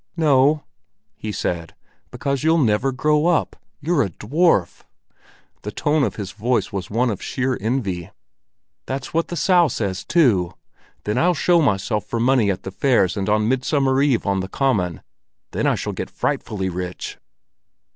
"No," he said. "Because you'll never grow up; you're a dwarf!" The tone of his voice was one of sheer envy. "That's what the Sow says too! But then I'll show myself for money at the fairs and on Midsummer Eve on the common. Then I shall get frightfully rich."